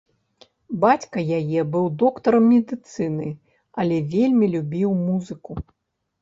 Бацька яе быў доктарам медыцыны, але вельмі любіў музыку.